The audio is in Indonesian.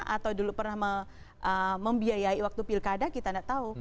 atau dulu pernah membiayai waktu pilkada kita tidak tahu